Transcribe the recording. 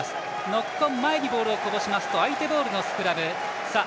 ノックオン前にボールをこぼしますと相手ボールのスクラム。